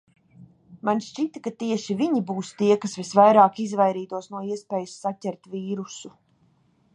Man šķita, ka tieši viņi būs tie, kas visvairāk izvairītos no iespējas saķert vīrusu.